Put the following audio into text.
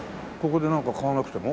ここでなんか買わなくても？